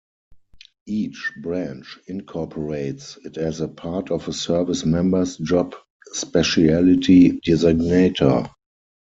Each branch incorporates it as part of a service member's job specialty designator.